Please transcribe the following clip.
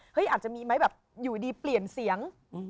อาจจะมีไหมแบบอยู่ดีเปลี่ยนเสียง